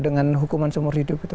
dengan hukuman seumur hidup itu